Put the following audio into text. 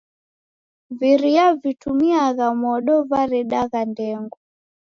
Viria vitumiagha modo varedagha ndengwa.